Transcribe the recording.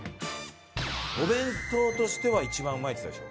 お弁当としては一番うまいっつってたでしょ。